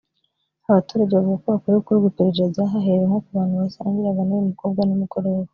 Abaturage bavuga ko hakwiye gukorwa iperereza haherewe nko ku bantu basangiraga n’uyu mukobwa nimugoroba